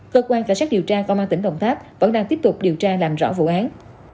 cơ quan cảnh sát điều tra công an tỉnh đồng tháp vẫn đang tiếp tục điều tra làm rõ vụ án